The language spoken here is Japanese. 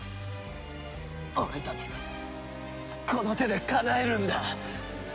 俺たちがこの手でかなえるんだ！